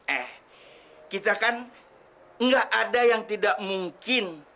eh kita kan nggak ada yang tidak mungkin